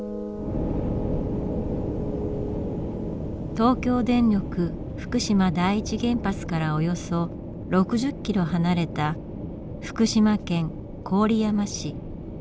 東京電力福島第一原発からおよそ６０ｋｍ離れた福島県郡山市。